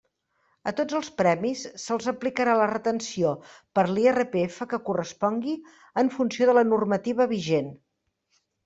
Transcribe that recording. A tots els premis se'ls aplicarà la retenció per IRPF que correspongui en funció de la normativa vigent.